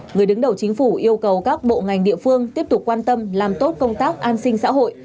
người đứng đầu chính phủ yêu cầu các bộ ngành địa phương tiếp tục quan tâm làm tốt công tác an sinh xã hội